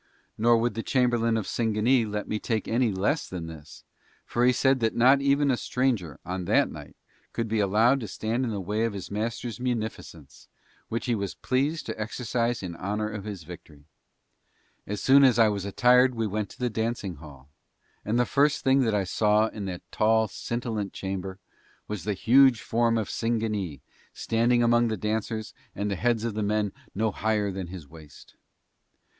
Nor would the chamberlain of Singanee let me take any less than this, for he said that not even a stranger, on that night, could be allowed to stand in the way of his master's munificence which he was pleased to exercise in honour of his victory. As soon as I was attired we went to the dancing hall and the first thing that I saw in that tall, scintillant chamber was the huge form of Singanee standing among the dancers and the heads of the men no higher than his waist.